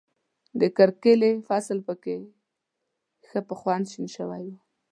د کرکې فصل په کې ښه په خوند شین شوی دی.